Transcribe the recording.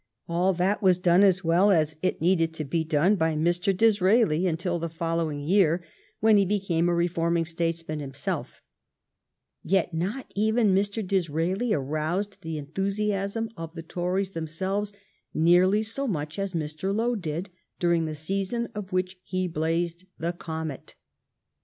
All that was done as well as it needed to be done by Mr. Disraeli until the following year, w^hen GLADSTONE SUPPORTS POPULAR SUFFRAGE 257 he became a reforming statesman himself. Yet not even Mr. Disraeli aroused the enthusiasm of the Tories themselves nearly so much as Mr. Lowe did during the season of which he blazed the comet.